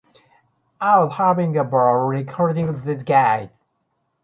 I was having a ball recording these guys.